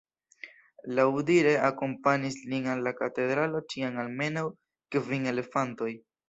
Laŭdire akompanis lin al la katedralo ĉiam almenaŭ kvin elefantoj.